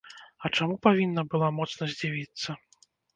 А чаму павінна была моцна здзівіцца?!